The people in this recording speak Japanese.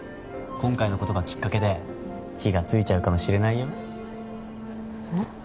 今回のことがきっかけで火がついちゃうかもしれないよえっ？